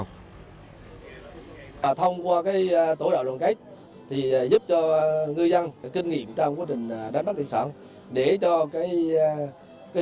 thông qua tổ đội đoàn kết